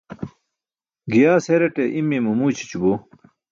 Giyaas heraṭe imiye mamu ićʰićubo.